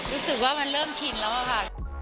รู้สึกว่ามันเริ่มชินแล้วอะค่ะ